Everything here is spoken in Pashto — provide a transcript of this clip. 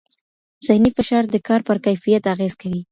ذهني فشار د کار پر کیفیت اغېز کوي.